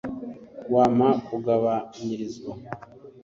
wampa kugabanyirizwa